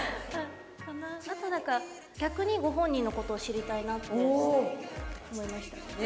あとなんか逆にご本人の事を知りたいなって思いましたね。